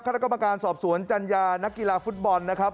คณะกรรมการสอบสวนจัญญานักกีฬาฟุตบอลนะครับ